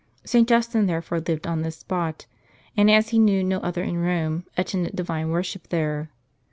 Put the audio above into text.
St. Justin, therefore, lived on this spot, and, as lie knew no other in Borne, attended divine worship there.